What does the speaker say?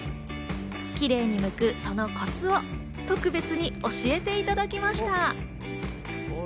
キレイにむくそのコツを特別に教えていただきました。